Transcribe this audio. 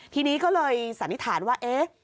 ทีนี้ก็เลยสันนิษฐานว่าเอ๊ะ